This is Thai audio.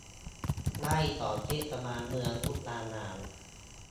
ไร่ของเทศบาลเมืองมุกดาหาร